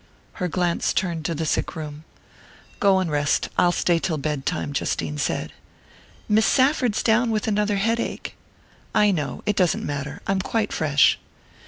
Her glance turned to the sick room. "Go and rest I'll stay till bedtime," Justine said. "Miss Safford's down with another headache." "I know: it doesn't matter. I'm quite fresh."